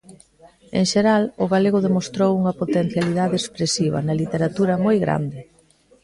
En xeral, o galego demostrou unha potencialidade expresiva na literatura moi grande.